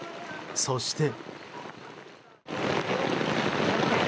そして。